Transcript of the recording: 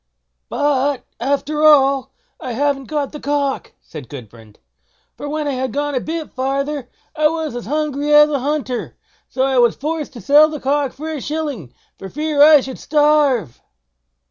"But, after all, I haven't got the cock", said Gudbrand; "for when I had gone a bit farther, I got as hungry as a hunter, so I was forced to sell the cock for a shilling, for fear I should starve."